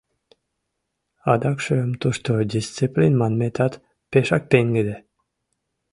Адакшым тушто дисциплин манметат пешак пеҥгыде.